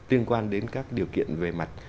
liên quan đến các điều kiện về mặt